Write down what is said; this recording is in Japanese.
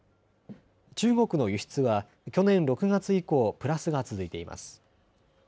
中国の輸出は去年６月以降、プラスが続いています。